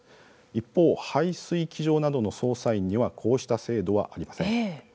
一方、排水機場などの操作員にはこうした制度はありません。